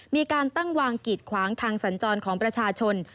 มีการตั้งวางกีดขวางทางสัญจรของประชาชน